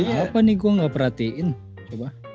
apa nih gue gak perhatiin coba